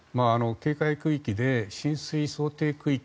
警戒区域で浸水想定区域